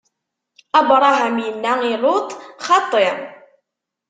Abṛam inna i Luṭ: Xaṭi!